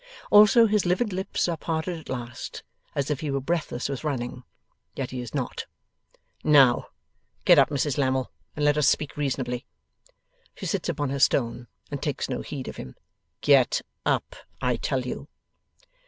Also his livid lips are parted at last, as if he were breathless with running. Yet he is not. 'Now, get up, Mrs Lammle, and let us speak reasonably.' She sits upon her stone, and takes no heed of him. 'Get up, I tell you.